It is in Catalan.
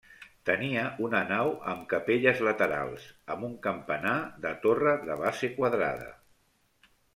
Tenia una nau amb capelles laterals, amb un campanar de torre de base quadrada.